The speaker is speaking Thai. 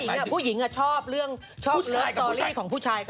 ผู้หญิงอะผู้หญิงอะชอบเรื่องชอบเลิฟสตอรี่ของผู้ชายกับผู้ชาย